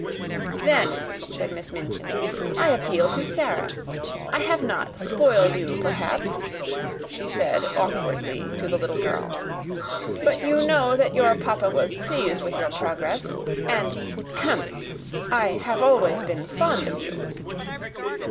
"Then," said Miss Minchin, "I appeal to Sara. I have not spoiled you, perhaps," she said awkwardly to the little girl; "but you know that your papa was pleased with your progress. And ahem I have always been fond of you."